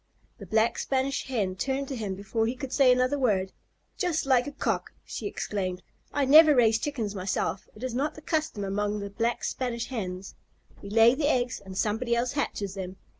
The Black Spanish Hen turned to him before he could say another word. "Just like a Cock!" she exclaimed. "I never raise Chickens myself. It is not the custom among the Black Spanish Hens. We lay the eggs and somebody else hatches them.